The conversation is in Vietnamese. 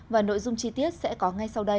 và nội dung chi tiết sẽ có ngay sau đây